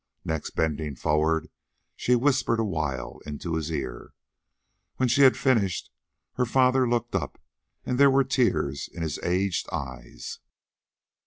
Next bending forward, she whispered awhile into his ear. When she had finished, her father looked up, and there were tears in his aged eyes.